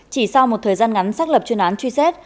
chỉ sau một thời gian ngắn xác lập chuyên án truy xét